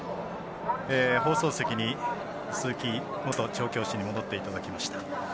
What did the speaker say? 放送席に鈴木元調教師に戻っていただきました。